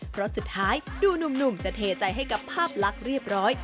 เพราะสุดท้ายดูหนุ่มจะเทใจให้กับภาพลักษณ์เรียบร้อย